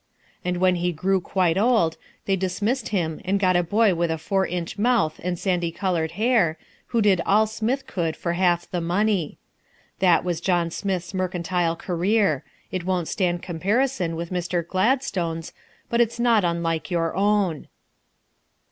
And when he grew quite old they dismissed him and got a boy with a four inch mouth and sandy coloured hair, who did all Smith could do for half the money. That was John Smith's mercantile career: it won't stand comparison with Mr. Gladstone's, but it's not unlike your own.